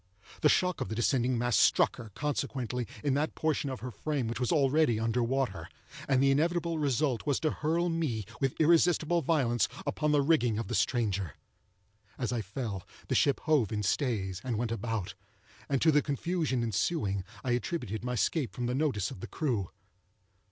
The shock of the descending mass struck her, consequently, in that portion of her frame which was already under water, and the inevitable result was to hurl me, with irresistible violence, upon the rigging of the stranger. As I fell, the ship hove in stays, and went about; and to the confusion ensuing I attributed my escape from the notice of the crew.